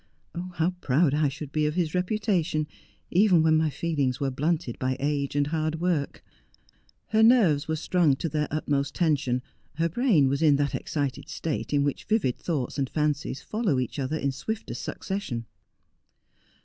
Oh, how proud I should be of his reputation, even when my feelings were blunted by age a nd hard work !' Her nerves were strung to their utmost tension, her brain was in that excited state in which vivid thoughts and fancies follow each other in swiftest succession.